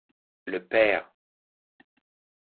Le père!